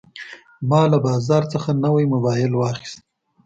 ما له بازار نه نوی موبایل واخیست.